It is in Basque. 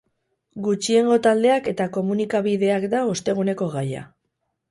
Gutxiengo taldeak eta komunikabideak da osteguneko gaia.